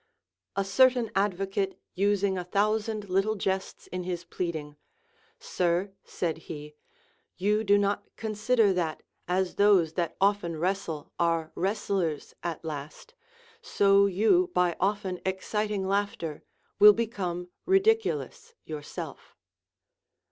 A certain advocate using a thousand little jests in his pleading ; Sir, said he, you do not con 430 LACONIC• APOPHTHEGMS. sider that, as those that often wrestle are wrestlers at last, so you by often exciting laughter will become ridiculous yourself.